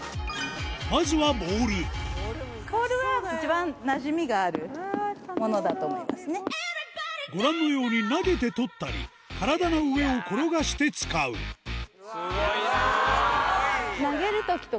まずはご覧のように投げて取ったり体の上を転がして使うスゴいな！